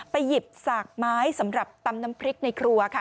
หยิบสากไม้สำหรับตำน้ำพริกในครัวค่ะ